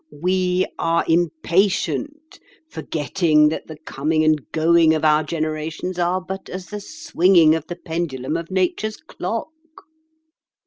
We are impatient, forgetting that the coming and going of our generations are but as the swinging of the pendulum of Nature's clock.